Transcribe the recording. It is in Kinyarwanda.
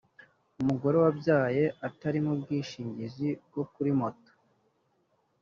umugore wabyaye atari mu bwishingizi bwo kuri moto